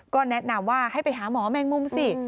ก็แนะนำว่าให้ไปหาหมอแมงมุมสิ